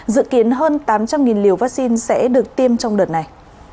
dự kiến hơn tám trăm linh liều vaccine sẽ được tiêm trong đợt này